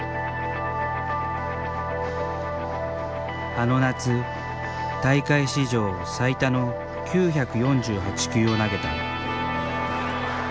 あの夏、大会史上最多の９４８球を投げた。